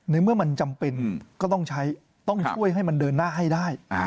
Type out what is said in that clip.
เมื่อมันจำเป็นก็ต้องใช้ต้องช่วยให้มันเดินหน้าให้ได้